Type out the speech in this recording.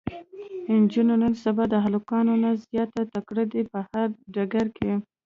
انجونې نن سبا د هلکانو نه زياته تکړه دي په هر ډګر کې